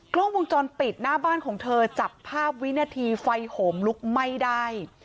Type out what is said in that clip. กล้องวงจรปิดหน้าบ้านของเธอจับภาพวินาทีไฟโหมลุกไหม้ได้